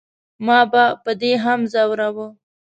ما به په دې هم زوراوه.